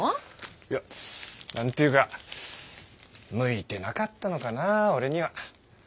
いや何ていうか向いてなかったのかな俺には。